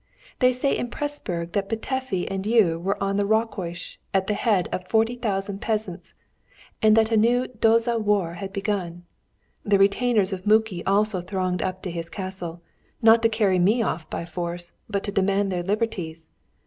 They say in Pressburg that Petöfi and you were on the Rákos at the head of 40,000 peasants, and that a new Dózsa war had begun. The retainers of Muki also thronged up to his castle, not to carry me off by force, but to demand their liberties.